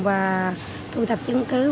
và thu thập chứng cứ